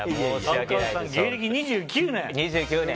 芸歴２９年。